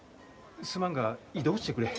すまんが移動してくれ。